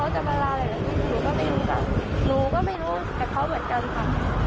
เชิงชู้สาวกับผอโรงเรียนคนนี้